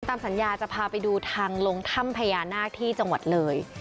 ตามสัญญาจะพาไปดูทางลงถ้ำพญานาคที่จังหวัดเลย